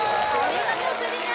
見事クリア